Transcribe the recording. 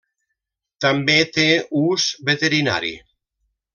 També té ús veterinari.